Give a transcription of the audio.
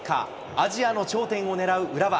アジアの頂点を狙う浦和。